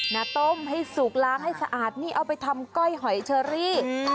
นะต้มให้สุกล้างให้สะอาดนี่เอาไปทำก้อยหอยเชอรี่